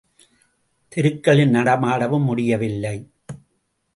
தெருக்களில் நடமாடவும் முடியவில்லை.